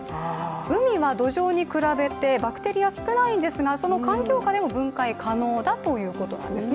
海は土壌に比べてバクテリア少ないんですがその環境下でも分解可能だということなんですね。